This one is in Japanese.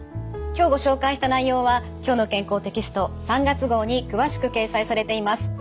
今日ご紹介した内容は「きょうの健康」テキスト３月号に詳しく掲載されています。